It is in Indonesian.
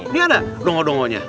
ini ada dongo dongonya